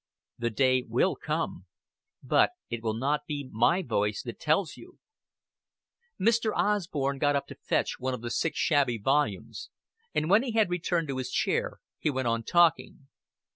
"The day will come; but it will not be my voice that tells you." Mr. Osborn got up to fetch one of the six shabby volumes, and when he had returned to his chair he went on talking.